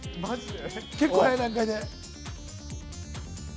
結構はやい段階で。